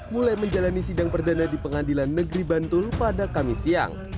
mulai menjalani sidang perdana di pengadilan negeri bantul pada kamis siang